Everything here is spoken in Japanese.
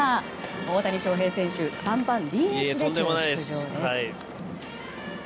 大谷翔平選手３番ＤＨで出場です。